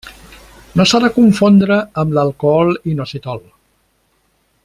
No s'ha de confondre amb l'alcohol inositol.